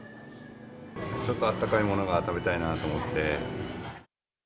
ちょっとあったかいものが食べたいなと思って。